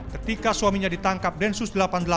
ketika suaminya ditangkap densus delapan puluh delapan